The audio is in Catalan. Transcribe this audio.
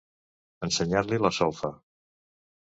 Ensenyar-li la solfa.